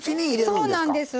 そうなんです。